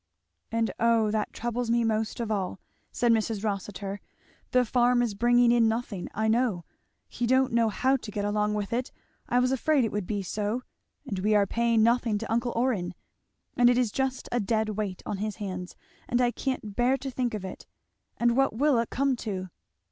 "And oh, that troubles me most of all!" said Mrs. Rossitur. "The farm is bringing in nothing, I know, he don't know how to get along with it, I was afraid it would be so; and we are paying nothing to uncle Orrin and it is just a dead weight on his hands; and I can't bear to think of it! And what will it come to!